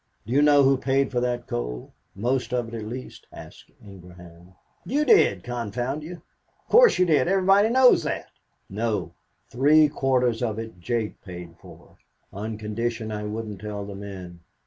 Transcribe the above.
"Do you know who paid for that coal; most of it at least?" asked Ingraham. "You did, confound you. Of course you did. Everybody knows that." "No, three quarters of it Jake paid for, on condition I wouldn't tell the men.